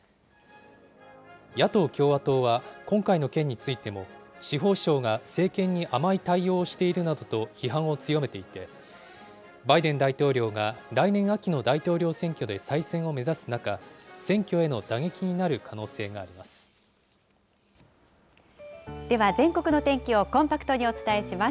野党・共和党は、今回の件についても、司法省が政権に甘い対応をしているなどと批判を強めていて、バイデン大統領が来年秋の大統領選挙で再選を目指す中、選挙へのでは、全国の天気をコンパクトにお伝えします。